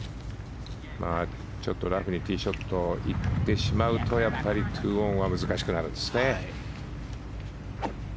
ちょっとラフにティーショットいってしまうと２オンは難しくなるんですね。